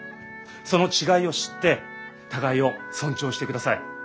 その違いを知って互いを尊重してください。